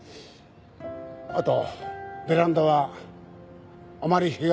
あとベランダはあまり日が当たらない。